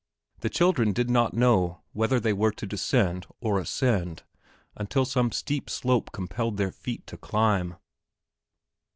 The children did not know whether they were to descend or ascend until some steep slope compelled their feet to climb.